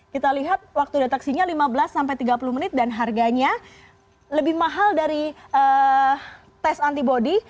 kita lihat waktu deteksinya lima belas sampai tiga puluh menit dan harganya lebih mahal dari tes antibody